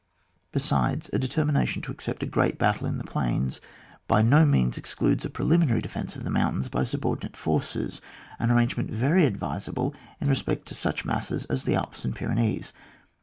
Besides, a determination to accept a great battle in the plains, by no means excludes a pre liminary defence of the mouutains by subordinate forces, an arrangement very advisable in respect to such masses as the Alps and Pyrenees.